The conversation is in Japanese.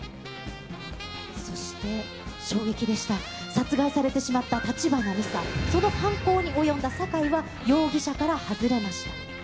そして、衝撃でした、殺害されてしまった橘美沙、その犯行に及んだ坂居は、容疑者から外れました。